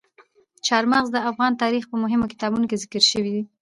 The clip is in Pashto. چار مغز د افغان تاریخ په مهمو کتابونو کې ذکر شوي دي.